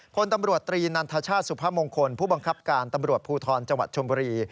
พลตำรวจตรีนันทชาติสุพมงคลผู้บังคับการตำรวจภูทรจังหวัดชมบุรี